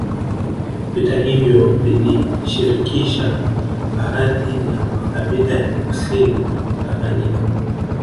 Vita hivyo vilishirikisha baadhi ya makabila ya kusini mwa Tanganyika